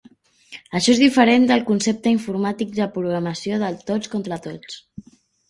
Això és diferent del concepte informàtic de programació del tots contra tots.